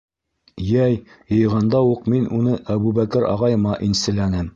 Йәй йыйғанда уҡ мин уны Әбүбәкер ағайыма инселәнем.